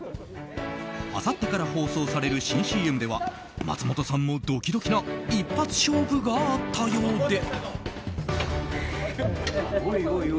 あさってから放送される新ＣＭでは松本さんもドキドキな一発勝負があったようで。